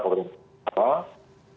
pak gubernur sumatera barat